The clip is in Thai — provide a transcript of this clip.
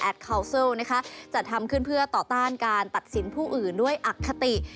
คาวเซิลนะคะจัดทำขึ้นเพื่อต่อต้านการตัดสินผู้อื่นด้วยอคติ